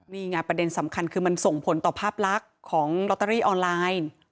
นี่ไงประเด็นสำคัญคือมันส่งผลต่อภาพลักษณ์ของลอตเตอรี่ออนไลน์